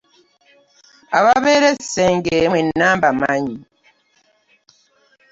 Ababeera e Ssenge mwenna mbamanyi.